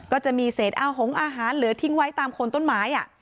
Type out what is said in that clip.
ก็จะมีเศษอาหงอาหารเหลือทิ้งไว้ตามโคนต้นไม้